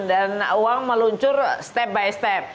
dan uang meluncur step by step